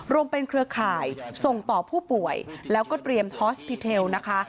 รวมเป็นเครือข่ายส่งต่อผู้ป่วยแล้วก็เตรียมฮอสพิเทลนะคะ